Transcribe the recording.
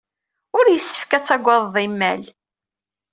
Ur yessefk ad tagadeḍ imal.